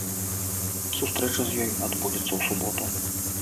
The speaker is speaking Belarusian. Сустрэча з ёй адбудзецца ў суботу.